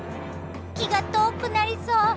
気が遠くなりそう。